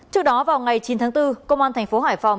trước đó vào ngày chín tháng bốn công an thành phố hải phòng